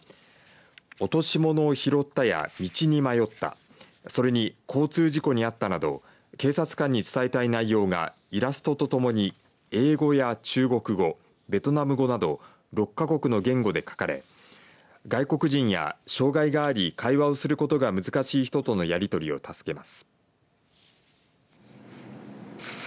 落とし物を拾ったや道に迷ったそれに交通事故に遭ったなど警察官に伝えたい内容がイラストとともに英語や中国語、ベトナム語など６か国の言語で書かれ外国人や障害があり会話をすることが難しい人とのやり取りを助けます。